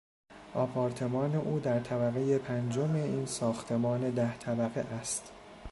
آپارتمان او در طبقهی پنجم این ساختمان ده طبقه است.